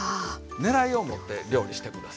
ねらいを持って料理して下さい。